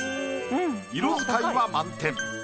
色使いは満点。